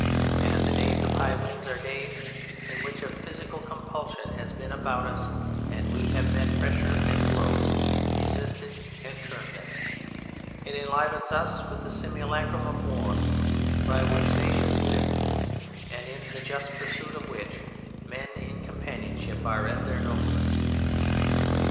And the days of high wind are days in which a physical compulsion has been about us and we have met pressure and blows, resisted and turned them; it enlivens us with the simulacrum of war by which nations live, and in the just pursuit of which men in companionship are at their noblest.